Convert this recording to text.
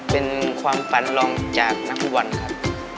เป็นความฝันลองจากนักฟุตบอลครับ